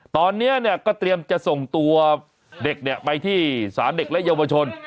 ตอนนี้เนี่ยก็เตรียมจะส่งตัวเด็กเนี่ยไปที่สารเด็กและเยาวชน